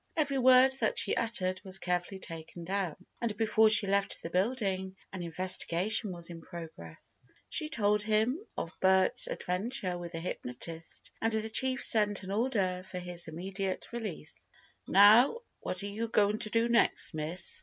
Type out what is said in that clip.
Every word that she uttered was carefully taken down, and before she left the building an investigation was in progress. She told him of Bert's adventure with the hypnotist, and the chief sent an order for his immediate release. "Now, what are you going to do next, miss?"